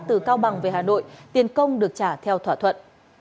từ cao bằng về hà nội tiền công được trả theo thỏa thuận